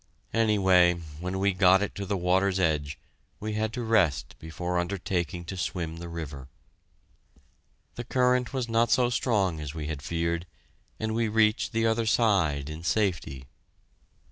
Anyway, when we got it to the water's edge, we had to rest before undertaking to swim the river. The current was not so strong as we had feared, and we reached the other side in safety.